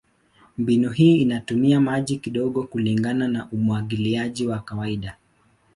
Mbinu hii inatumia maji kidogo kulingana na umwagiliaji wa kawaida.